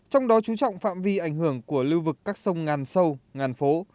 trong đó chú trọng phạm vi ảnh hưởng của lưu vực các sông ngàn sâu ngàn phố